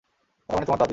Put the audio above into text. তারমানে তোমার দাদী।